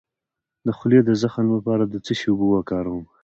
د خولې د زخم لپاره د څه شي اوبه وکاروم؟